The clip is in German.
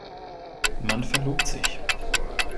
Man verlobt sich.